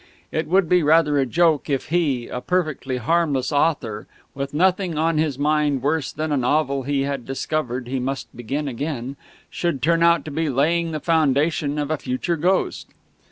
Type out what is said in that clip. It would be rather a joke if he, a perfectly harmless author, with nothing on his mind worse than a novel he had discovered he must begin again, should turn out to be laying the foundation of a future ghost!...